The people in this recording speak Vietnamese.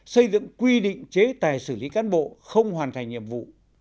xây dựng quy định chế tài xử lý cán bộ không hoàn thành nhiệm vụ